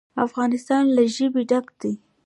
افغانستان له ژبې ډک دی.